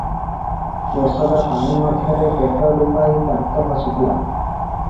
ଯଶୋଦା ପାଣି ମଧ୍ୟରେ ପେଟ ଡୁବାଇ ଦାନ୍ତ ଘଷୁଥିଲା ।